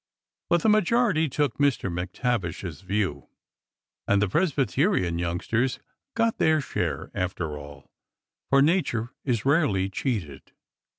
But the majority took Mr. McTavish's view, and the Presbyterian youngsters got their share, after all, for Nature is rarely cheated.